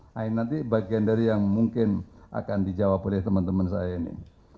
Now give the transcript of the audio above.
nah ini nanti bagian dari yang mungkin akan dijawab oleh teman teman saya ini